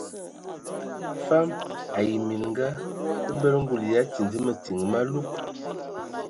Fam ai minga bəbələ ngul ya tindi mətin malug.